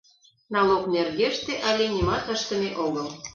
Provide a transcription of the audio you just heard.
Налог нергеште але нимат ыштыме огыл...